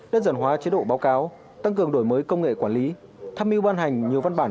đơn giản hóa chế độ báo cáo tăng cường đổi mới công nghệ quản lý tham mưu ban hành nhiều văn bản